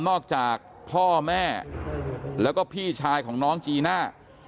จากพ่อแม่แล้วก็พี่ชายของน้องจีน่า